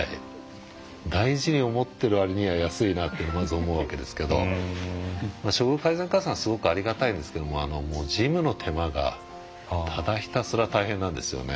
大事に思ってるわりには安いなってまず思うわけですけど処遇改善加算はすごくありがたいんですけど事務の手間がただひたすら大変なんですよね。